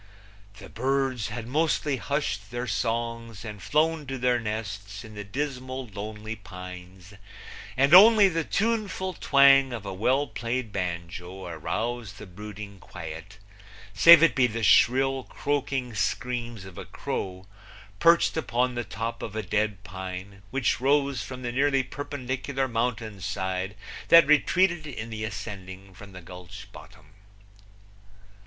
The birds had mostly hushed their songs and flown to their nests in the dismal lonely pines, and only the tuneful twang of a well played banjo aroused the brooding quiet, save it be the shrill, croaking screams of a crow, perched upon the top of a dead pine, which rose from the nearly perpendicular mountain side that retreated in the ascending from the gulch bottom.